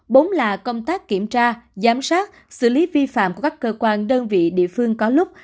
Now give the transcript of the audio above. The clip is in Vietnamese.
bốn là công tác kiểm tra giám sát xử lý vi phạm của các cơ quan đơn vị địa phương có lúc